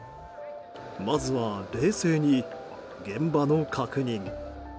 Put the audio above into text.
まずは冷静に、現場の確認。